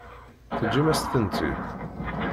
Teǧǧam-as-tent-id?